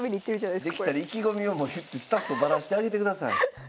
できたら意気込みをもう言ってスタッフバラしてあげてください。